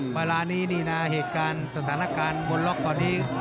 เวลานี้เนี่ยนะสถานการณ์บล็อคตอนนี้